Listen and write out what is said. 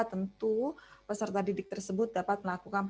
tentu peserta didik tersebut dapat melakukan